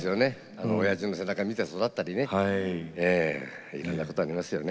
おやじの背中を見て育ったりいろんなことありますよね。